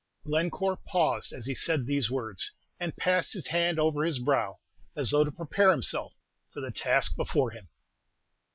Glencore paused as he said these words, and passed his hand over his brow, as though to prepare himself for the task before him.